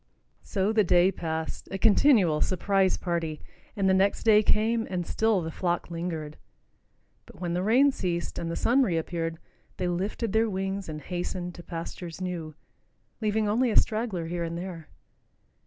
So the day passed, a continual surprise party, and the next day came, and still the flock lingered. But when the rain ceased, and the sun reappeared, they lifted their wings and hastened to pastures new, leaving only a straggler here and there.